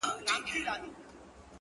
داسې مريد يمه چي پير چي په لاسونو کي دی!